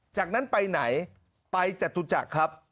จากนั้นไปไหนไปจตุจักรครับ